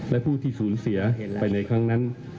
และผู้ที่สูญเสียไปในครั้งนั้น